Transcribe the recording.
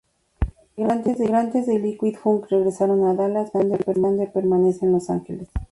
Los integrantes de Liquid Funk regresaron a Dallas, pero Alexander permanece en Los Angeles.